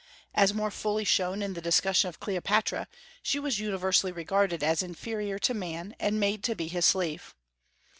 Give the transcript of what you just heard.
As more fully shown in the discussion of Cleopatra, she was universally regarded as inferior to man, and made to be his slave.